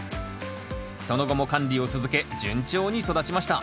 その後も管理を続け順調に育ちました。